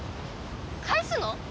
返すの？